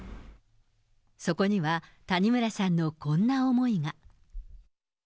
そこには谷村さんのこんな思いが。